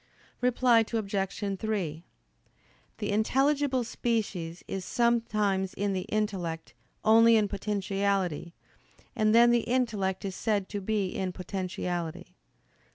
Reply Obj. 3: The intelligible species is sometimes in the intellect only in potentiality, and then the intellect is said to be in potentiality.